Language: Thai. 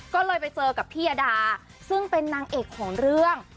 ก็เลยไปเจอกับพี่ยดาซึ่งเป็นนางเอกของเรื่อง